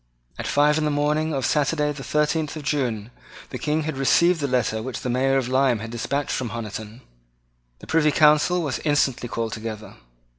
At five in the morning of Saturday the thirteenth of June, the King had received the letter which the Mayor of Lyme had despatched from Honiton. The Privy Council was instantly called together.